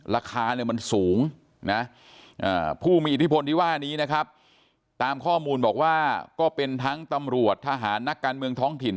ราคาเนี่ยมันสูงนะผู้มีอิทธิพลที่ว่านี้นะครับตามข้อมูลบอกว่าก็เป็นทั้งตำรวจทหารนักการเมืองท้องถิ่น